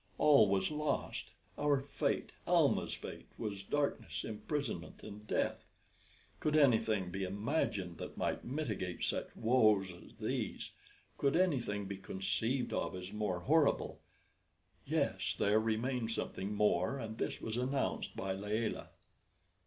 All was lost! Our fate Almah's fate was darkness, imprisonment, and death. Could anything be imagined that might mitigate such woes as these? Could anything be conceived of as more horrible? Yes; there remained something more, and this was announced by Layelah.